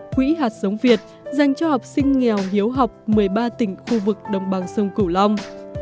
quỹ hạt sống việt dành cho học sinh nghèo hiếu học một mươi ba tỉnh khu vực đồng bằng sông cửu long